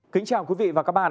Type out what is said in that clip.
kính chào quý vị và các bạn